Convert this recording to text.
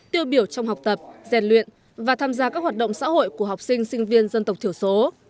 tiêu biểu trong học tập rèn luyện và tham gia các hoạt động xã hội của học sinh sinh viên dân tộc thiểu số